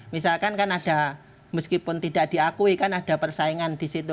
misalkan kan ada meskipun tidak diakui kan ada persaingan di situ